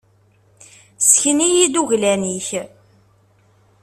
Sken-iyi-d uglan-ik.